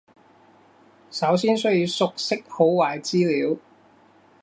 首先需要熟悉好壞資料